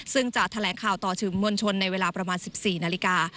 ซึ่งจะแถลงข่าวต่อสื่อมวลชนในเวลาประมาณ๑๔นาฬิกา